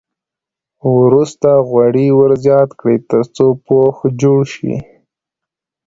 وروسته غوړي ور زیات کړئ تر څو پوښ جوړ شي.